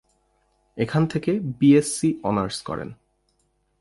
এখান থেকে "BSc honours" করেন।